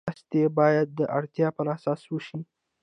مرستې باید د اړتیا پر اساس وشي.